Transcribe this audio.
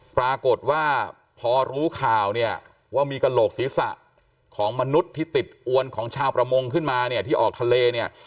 ปรากฏว่าพอรู้ข่าวเนี่ยว่ามีกระโหลกศีรษะของมนุษย์ที่ติดอวนของชาวประมงขึ้นมาเนี่ยที่ออกทะเลเนี่ย